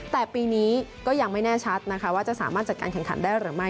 แต่ปีนี้ก็ยังไม่แน่ชัดนะคะว่าจะสามารถจัดการแข่งขันได้หรือไม่